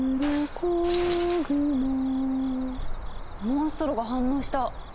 モンストロが反応した！